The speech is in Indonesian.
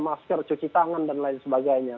masker cuci tangan dan lain sebagainya